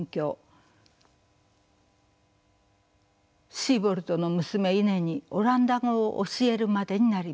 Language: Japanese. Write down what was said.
シーボルトの娘イネにオランダ語を教えるまでになります。